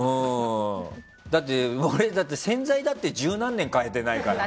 だって、宣材だって十何年変えてないからね。